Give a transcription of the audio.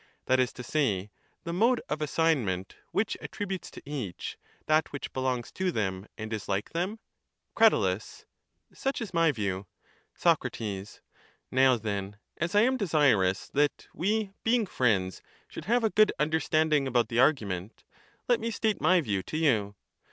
That is to say, the mode of assignment which attri butes to each that which belongs to them and is like them? Crat. Such is my view. Cratylus begins to give way. 177 Soc. Now then, as I am desirous that we being friends should have a good understanding about the argument, let me state my view to you